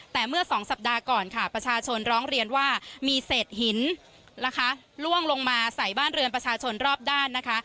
แต่เมื่อสองสัปดาห์ก่อนค่ะประชาชนร้องเรียนว่ามีเศษหินนะคะล่วงลงมาใส่บ้านเรือนประชาชนรอบด้านนะคะ